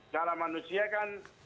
cara manusia kan